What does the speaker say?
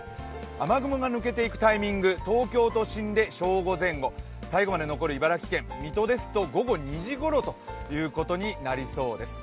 雨雲が抜けていくタイミング、東京都心で正午前後、最後まで残る茨城県、水戸ですと午後２時ごろということになりそうです。